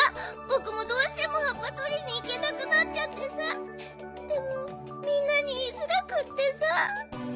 ぼくもどうしてもはっぱとりにいけなくなっちゃってさでもみんなにいいづらくってさ。